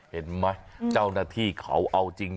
เห็นไหมเจ้าหน้าที่เขาเอาจริง